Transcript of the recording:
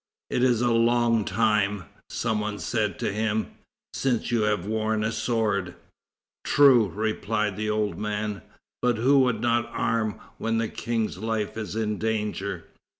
"It is a long time," some one said to him, "since you have worn a sword." "True," replied the old man, "but who would not arm when the King's life is in danger?"